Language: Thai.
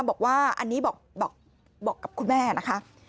บอกว่าอันนี้บอกกับคุณแม่นะคะ